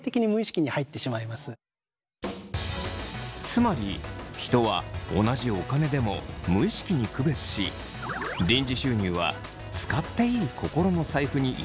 つまり人は同じお金でも無意識に区別し臨時収入は使っていい心の財布に入れてしまうそう。